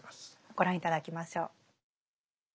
ご覧頂きましょう。